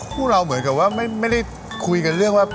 พวกเราเหมือนกับว่าไม่ได้คุยกันเรื่องว่า